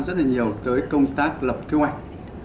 rất là nhiều tới công tác lập kế hoạch